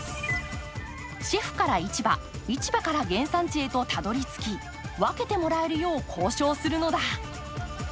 シェフから市場、市場から原産地へとたどり着き分けてもらえるよう交渉するのだ。